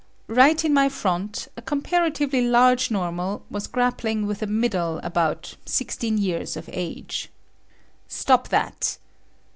Right in my front, a comparatively large normal was grappling with a middle about sixteen years of ago. "Stop that!"